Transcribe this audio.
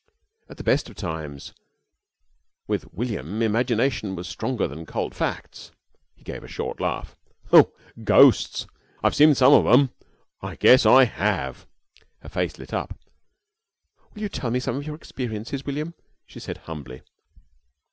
At the best of times with William imagination was stronger than cold facts. He gave a short laugh. "Oh, ghosts! Yes, I've seen some of 'em. I guess I have!" Her face lit up. "Will you tell me some of your experiences, William?" she said, humbly.